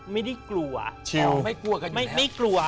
ไม่ได้กลัวไม่กลัวกันอยู่นะครับ